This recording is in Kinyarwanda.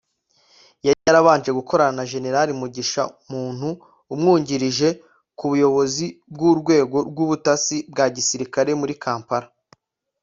yari yarabanje gukorana na Gen Mugisha Muntu amwungirije ku buyobozi bw’urwego rw’ubutasi bwa gisirikare muri Kampala